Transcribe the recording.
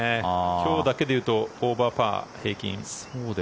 今日だけでいうとオーバーパー平均。